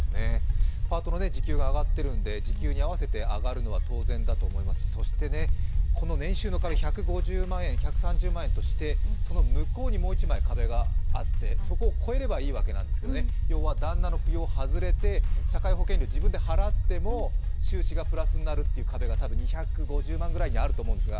パートの時給が上がってるので、時給に合わせて上がるのは当然だと思いますしそして、年収の壁、１３０万円として、その向こうにもう一枚壁があって、そこを超えればいいわけですけれども要は旦那の扶養を外れて、社会保険料を自分で払っても収支がプラスになるっていう壁が２５０万ぐらいにあると思うんですが